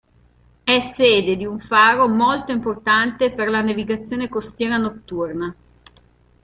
È sede di un faro molto importante per la navigazione costiera notturna.